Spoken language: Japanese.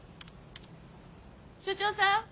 所長さん